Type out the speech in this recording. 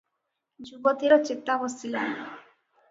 ଯୁବତୀର ଚେତା ବସିଲାଣି ।